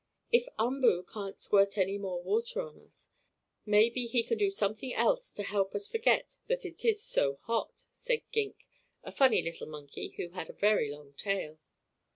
"If Umboo can't squirt any more water on us, maybe he can do something else to help us forget that it is so hot," said Gink, a funny little monkey, who had a very long tail.